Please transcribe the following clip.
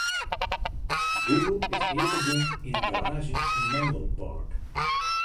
Google is ea begûn yn in garaazje yn Menlo Park.